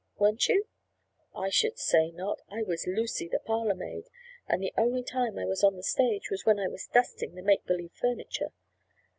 "Weren't you?" "I should say not! I was Lucy, the parlor maid, and the only time I was on the stage was when I was dusting the make believe furniture.